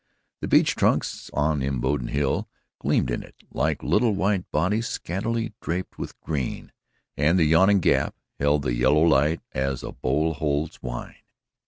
The beech trunks on Imboden Hill gleamed in it like white bodies scantily draped with green, and the yawning Gap held the yellow light as a bowl holds wine.